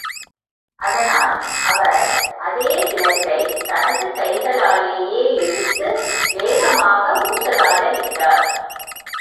அதனால் அவர் அதே விளக்கைத் தனது கைகளாலேயே இழுத்து வேகமாக ஊசலாடவிட்டார்.